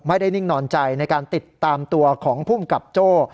นิ่งนอนใจในการติดตามตัวของภูมิกับโจ้